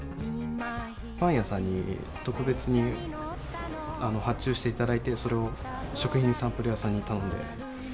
パン屋さんに特別に発注していただいて、それを食品サンプル屋さんに頼んで。